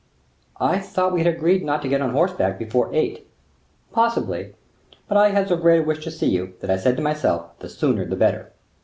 "I thought we had agreed not to get on horseback before eight." "Possibly; but I had so great a wish to see you, that I said to myself, the sooner the better."